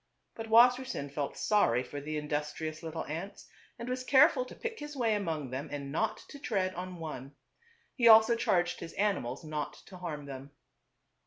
But Wassersein felt sorry for the industrious little ants and was careful to pick his way among them and not to tread on one. He also charged his animals not to harm them.